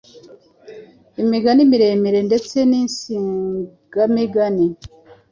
imigani miremire ndetse n’insigamigani,